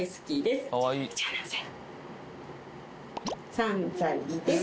３歳です。